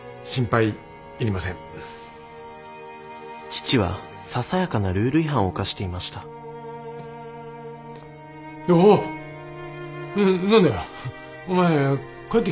父はささやかなルール違反を犯していましたおおっ！